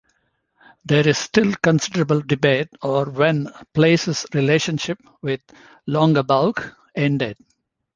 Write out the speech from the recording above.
There is still considerable debate over when Place's relationship with Longabaugh ended.